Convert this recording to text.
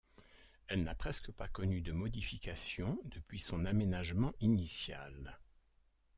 Elle n'a presque pas connu de modifications depuis son aménagement initial.